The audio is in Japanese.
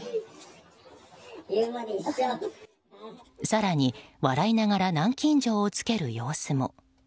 更に、笑いながら南京錠をつける様子も。